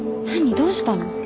どうしたの？